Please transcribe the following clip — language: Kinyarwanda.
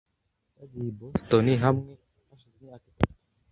Twagiye i Boston hamwe hashize imyaka itatu .